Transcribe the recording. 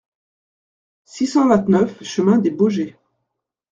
six cent vingt-neuf chemin des Bogeys